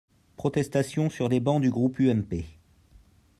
Protestations sur les bancs du groupe UMP.